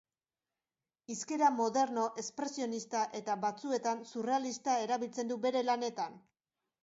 Hizkera moderno, espresionista eta batzuetan surrealista erabiltzen du bere lanetan.